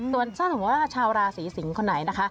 ส่วนถ้าสมมุติว่าชาวราศีสิงศ์คนไหนนะคะ